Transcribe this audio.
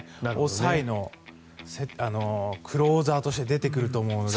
抑えのクローザーとして出てくると思うので。